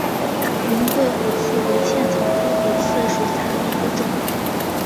云桂虎刺为茜草科虎刺属下的一个种。